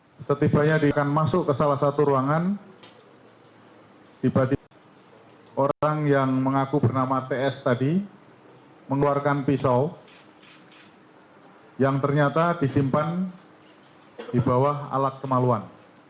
pesawat setibanya akan masuk ke salah satu ruangan tiba tiba orang yang mengaku bernama ts tadi mengeluarkan pisau yang ternyata disimpan di bawah alat kemaluan